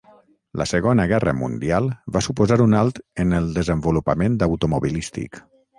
La Segona Guerra Mundial va suposar un alt en el desenvolupament automobilístic.